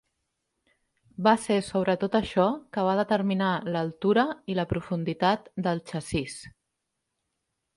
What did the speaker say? Va ser sobretot això que va determinar l'altura i la profunditat del xassís.